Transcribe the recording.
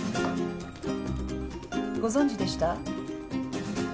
ご存じでした？